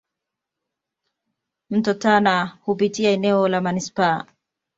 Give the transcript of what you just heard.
Mto Tana hupitia eneo la manispaa.